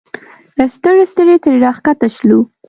ستړي ستړي ترې راښکته شولو.